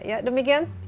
ya demikian insya allah